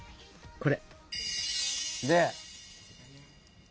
これ。